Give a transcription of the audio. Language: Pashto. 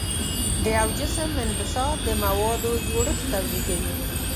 د یو جسم انبساط د موادو جوړښت توضیح کوي.